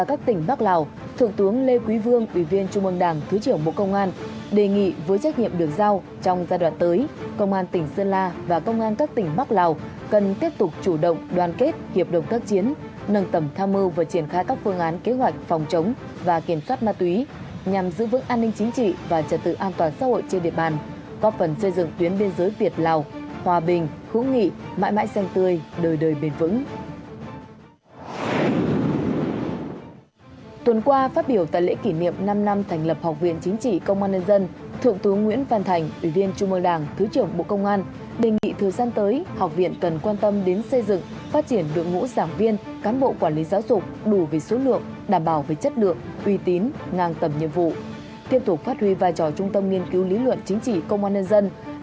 các tỉnh bắc lào thượng tướng lê quý vương ủy viên trung môn đảng thứ trưởng bộ công an đề nghị với trách nhiệm được giao trong giai đoạn tới công an các tỉnh bắc lào cần tiếp tục chủ động đoàn kết hiệp đồng các chiến nâng tầm tham mưu và triển khai các phương án kế hoạch phòng chống và kiểm soát ma túy nhằm giữ vững an ninh chính trị và triển khai các phương án kế hoạch phòng chống và kiểm soát ma túy nhằm giữ vững an ninh chính trị và triển khai các phương án kế hoạch phòng chống và kiểm soát ma túy nhằm giữ vững an